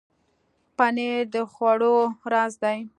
پنېر د خوړو راز دی.